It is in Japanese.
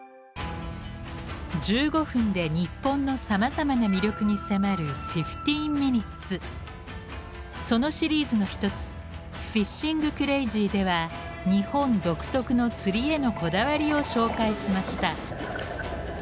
１５分で日本のさまざまな魅力に迫るそのシリーズの一つ「ＦＩＳＨＩＮＧＣＲＡＺＹ」では日本独特の釣りへのこだわりを紹介しました。